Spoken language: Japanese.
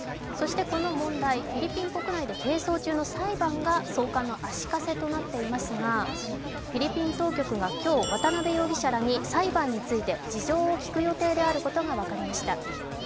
この問題、フィリピン国内で係争中の裁判の送還の足かせとなっていますがフィリピン当局が今日、渡辺容疑者らに裁判について事情を聴く予定であることが分かりました。